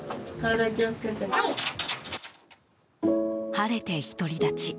晴れて独り立ち。